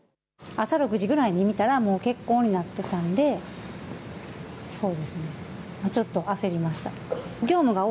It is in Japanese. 朝６時ぐらいに見たらもう欠航になっていたんでそうですねちょっと焦りました。